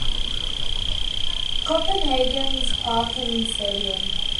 Copenhagen's Parken Stadium.